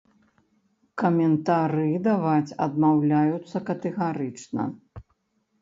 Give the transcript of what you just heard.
Каментары даваць адмаўляюцца катэгарычна.